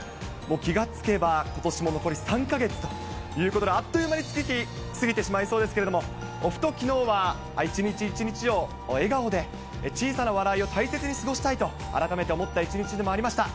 気がつけばことしも残り３か月ということで、あっという間に月日、過ぎてしまいそうですけれども、ふときのうは一日一日を笑顔で小さな笑いを大切に過ごしたいと、改めて思った一日でもありました。